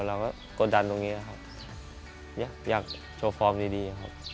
เราก็กดดันตรงนี้ครับอยากโชว์ฟอร์มดีครับ